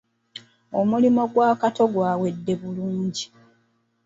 Omulimu gwa Kato gwawedde bulungi?